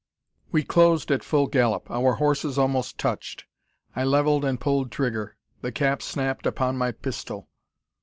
We closed at full gallop. Our horses almost touched. I levelled and pulled trigger. The cap snapped upon my pistol!